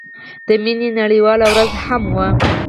د مينې نړيواله ورځ هم وه.